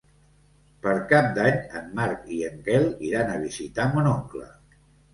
Per Cap d'Any en Marc i en Quel iran a visitar mon oncle.